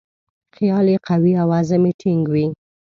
خیال یې قوي او عزم یې ټینګ وي.